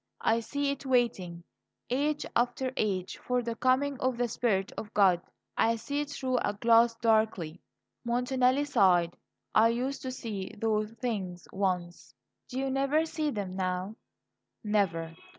I see it waiting, age after age, for the coming of the Spirit of God. I see it through a glass darkly." Montanelli sighed. "I used to see those things once." "Do you never see them now?" "Never.